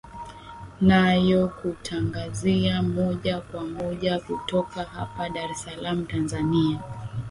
nayokutangazia moja kwa moja kutoka hapa dar es salaam tanzania